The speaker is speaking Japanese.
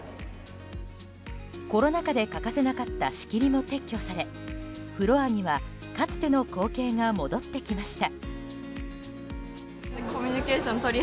コロナ禍で欠かせなかった仕切りも撤去されフロアにはかつての光景が戻ってきました。